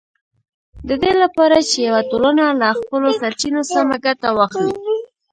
د دې لپاره چې یوه ټولنه له خپلو سرچینو سمه ګټه واخلي